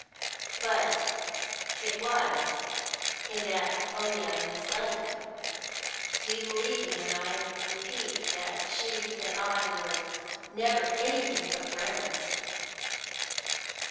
"But it was in that only I misled you. Do you believe me when I repeat that she and I were never anything but friends!"